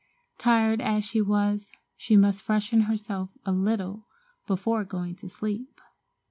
Tired as she was she must freshen herself a little before going to sleep.